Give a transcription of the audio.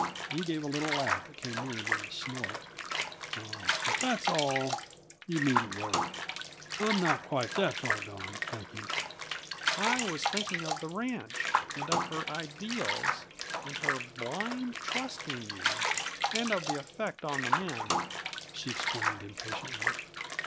He gave a little laugh that came nearer being a snort. "Oh, if that's all, you needn't worry. I'm not quite that far gone, thank you!" "I was thinking of the ranch, and of her ideals, and her blind trust in you, and of the effect on the men," she explained impatiently.